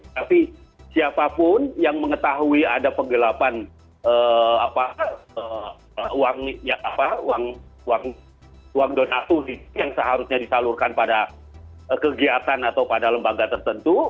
tapi siapapun yang mengetahui ada penggelapan uang donatur yang seharusnya disalurkan pada kegiatan atau pada lembaga tertentu